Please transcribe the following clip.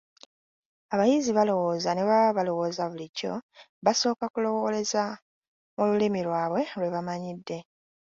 Abayizi balowooza ne bwe baba balowooza bulijjo, basooka kulowooleza mu lulimi lwabwe lwe bamanyidde.